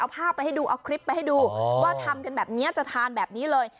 เอาภาพไปให้ดูเอาคลิปไปให้ดูว่าทำกันแบบนี้จะทานแบบนี้เลย